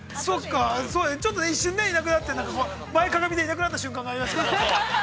◆ちょっと一瞬、いなくなって、前かがみでいなくなった瞬間がありましたから。